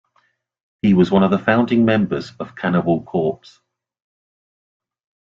He was one of the founding members of Cannibal Corpse.